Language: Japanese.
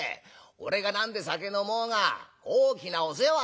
俺が何で酒飲もうが大きなお世話だ。